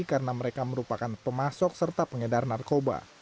karena mereka merupakan pemasok serta pengedar narkoba